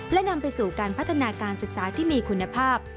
และนำไปสู่การพัฒนาการศึกษาที่มีคุณภาพ